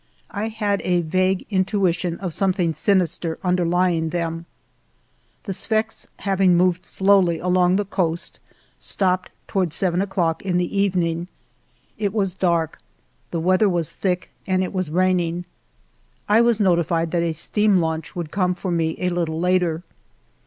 I had a vague intuition of something sinister underlying them. The Sfax, having moved slowly along the coast, stopped toward seven o'clock in the even ing. It was dark; the weather was thick, and it was raining. I v/as notified that a steam launch would come for me a little later.